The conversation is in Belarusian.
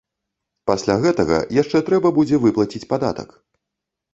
Пасля гэтага яшчэ трэба будзе выплаціць падатак.